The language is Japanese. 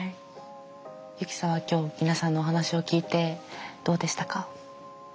ユキさんは今日皆さんのお話を聞いてどうでしたか？